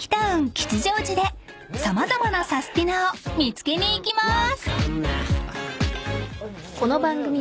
吉祥寺で様々なサスティな！を見つけにいきまーす］